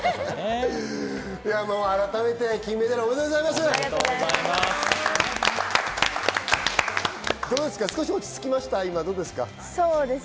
改めて金メダル、おめでとうございます。